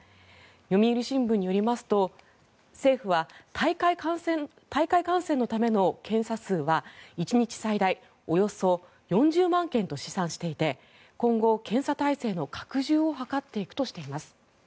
読売新聞によりますと政府は大会観戦のための検査数は１日最大およそ４０万件と試算していて今後、検査体制の拡充を図っていくとしています。